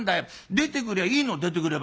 出てくりゃあいいの出てくれば。